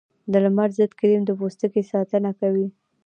د لمر ضد کریم د پوستکي ساتنه کوي